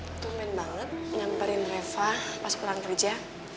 papi turun main banget nyamperin reva pas pulang kerja